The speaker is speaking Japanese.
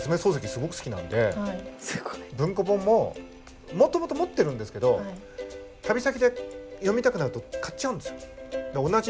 すごく好きなんで文庫本ももともと持ってるんですけど旅先で読みたくなると買っちゃうんですよ。